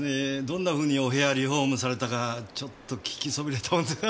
どんなふうにお部屋リフォームされたかちょっと聞きそびれたもんで。